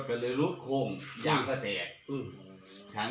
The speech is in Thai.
ฟังนะฟังนะ